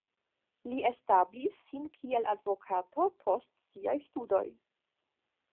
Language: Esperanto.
Li establis sin kiel advokato post siaj studoj.